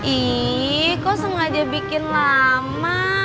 ini kok sengaja bikin lama